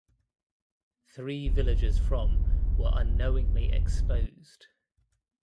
Three villagers from were unknowingly exposed.